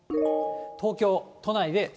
東京都内で水、木。